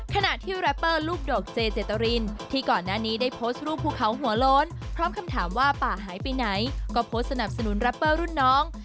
ขณะที่แรปเปอร์ลูกดกเจเจตรินที่ก่อนหน้านี้ได้โพสต์รูปภูเขาหัวโล้นพร้อมคำถามว่าป่าหายไปไหนก็โพสต์สนับสนุนแรปเปอร์รุ่นน้อง